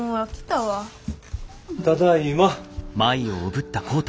ただいま。